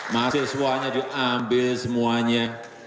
mahasiswanya diambil semuanya